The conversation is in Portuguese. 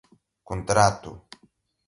contrato